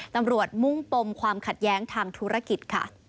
ตำรวจมุ่งปมความขัดแย้งทางธุรกิจ